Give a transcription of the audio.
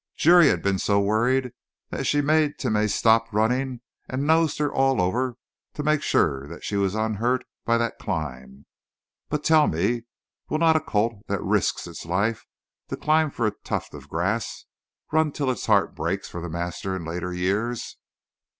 Juri had been so worried that she made Timeh stop running and nosed her all over to make sure that she was unhurt by that climb. But tell me: will not a colt that risks its life to climb for a tuft of grass, run till its heart breaks for the master in later years?"